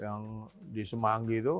yang di semanggi itu